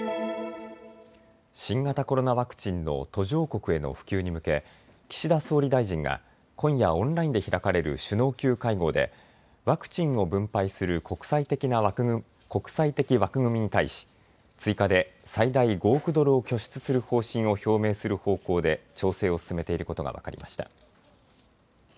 新型コロナワクチンの途上国への普及に向け岸田総理大臣が今夜、オンラインで開かれる首脳級会合でワクチンを分配する国際的枠組みに対し、追加で最大５億ドルを拠出する方針を表明する方向で調整を進めていることが分かりました。